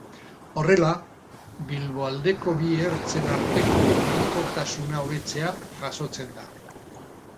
Horrela, Bilboaldeko bi ertzen arteko mugikortasuna hobetzea jasotzen da.